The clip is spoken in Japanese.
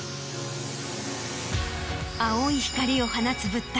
青い光を放つ物体